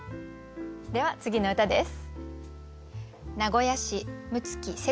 では次の歌です。